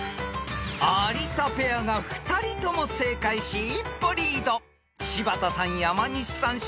［有田ペアが２人とも正解し一歩リード］